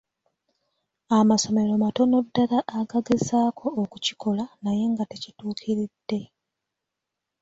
Amasomero matono ddala agagezako okukikola naye nga tekituukiridde.